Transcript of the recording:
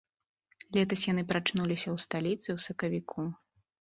Летась яны прачнуліся ў сталіцы ў сакавіку.